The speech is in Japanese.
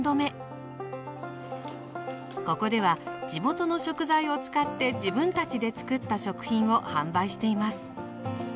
ここでは地元の食材を使って自分たちでつくった食品を販売しています。